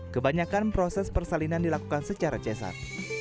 kebanyakan proses persalinan dilakukan secara cesar